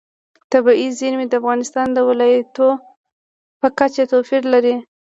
طبیعي زیرمې د افغانستان د ولایاتو په کچه توپیر لري.